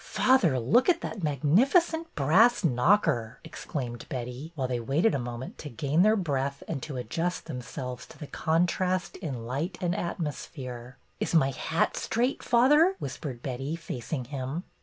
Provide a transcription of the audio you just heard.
Father, look at that magnificent brass knocker !" exclaimed Betty, while they waited a moment to gain their breath and to adjust them selves to the contrast in light and atmosphere. '' Is my hat straight, father ?" whispered Betty, facing him.